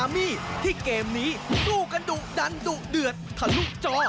มันก็ดุดันดุเดือดทะลุกจอ